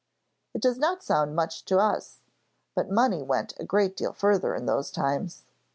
It does not sound much to us, but money went a great deal further in those times.